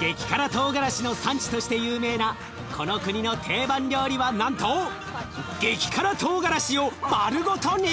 激辛トウガラシの産地として有名なこの国の定番料理はなんと激辛トウガラシを丸ごと煮込む！？